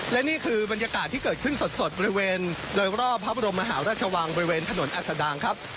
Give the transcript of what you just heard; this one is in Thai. และนี่คือบรรยากาศที่เกิดขึ้นสดบริเวณโดยรอบพระบรมมหาราชวังบริเวณถนนอัศดางครับ